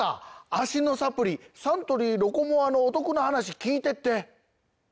脚のサプリサントリー「ロコモア」のお得な話聞いてって！